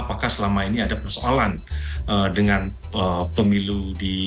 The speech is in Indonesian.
apakah selama ini ada persoalan dengan pemilu di